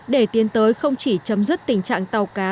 để tiến tới không chỉ chấm dứt tình trạng tàu cá